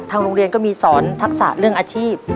โรงเรียนก็มีสอนทักษะเรื่องอาชีพ